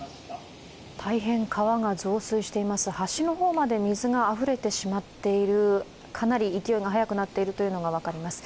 大変川が増水しています、橋の方まで水があふれてしまっているかなり勢いが速くなっているのが分かります。